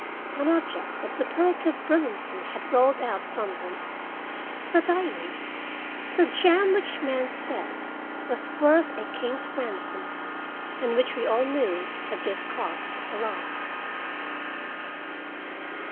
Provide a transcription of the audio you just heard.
An object of superlative brilliancy had rolled out from them. The diamond! the gem which men said was worth a king's ransom, and which we all knew had just cost a life.